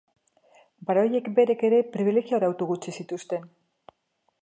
Baroiek berek ere pribilegio arautu gutxi zituzten.